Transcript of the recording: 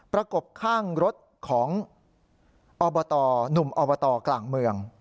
กบข้างรถของอบตหนุ่มอบตกลางเมือง